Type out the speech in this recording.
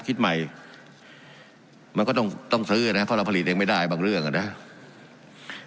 คิดใหม่มันก็ต้องต้องซื้อนะเพราะเราผลิตเองไม่ได้บางเรื่องอ่ะนะ